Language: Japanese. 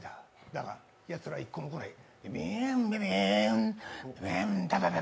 だが、やつらは一向に来ない。